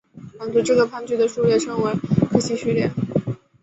满足这个判据的数列称为柯西序列。